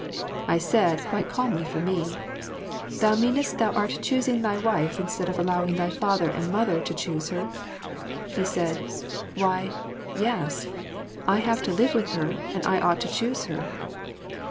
I said, quite calmly for me, "Thou meanest thou art choosing thy wife instead of allowing thy father and mother to choose her?" He said, "Why, yes; I have to live with her and I ought to choose her."